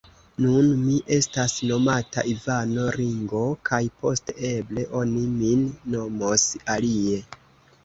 Nun mi estas nomata Ivano Ringo kaj poste, eble, oni min nomos alie.